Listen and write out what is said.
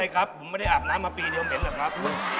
ไม่ได้ครับผมไม่ได้อาบน้ำมาปีเดียวเหม็นแหละครับ